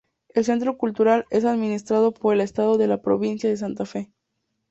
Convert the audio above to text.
El centro cultural es administrado por el estado de la Provincia de Santa Fe.